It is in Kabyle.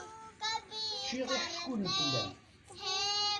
Ččiɣ iḥeckulen fell-am.